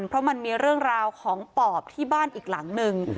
เพราะมันมีเรื่องราวของปอบที่บ้านอีกหลังนึง